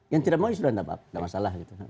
yang tidak mau ini sudah tidak masalah